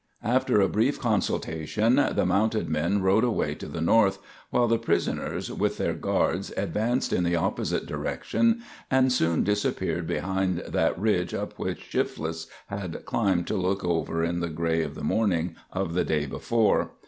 After a brief consultation the mounted men rode away to the north, while the prisoners, with their guards, advanced in the opposite direction and soon disappeared behind that ridge up which Shifless had climbed to look over in the gray of the morning of the day before.